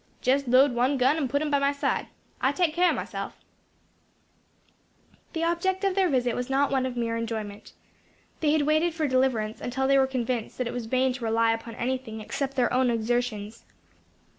[#] Jes load one gun, and put um by my side. I take care o' myself." [#] What is going to hurt me? The object of their visit was not one of mere enjoyment. They had waited for deliverance until they were convinced that it was vain to rely upon anything except their own exertions.